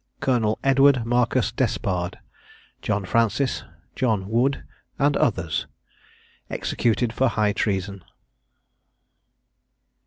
COLONEL EDWARD MARCUS DESPARD, JOHN FRANCIS, JOHN WOOD, AND OTHERS. EXECUTED FOR HIGH TREASON.